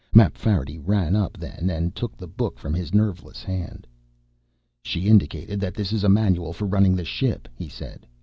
Mapfarity ran up then and took the book from his nerveless hand. "She indicated that this is a manual for running the ship," he said.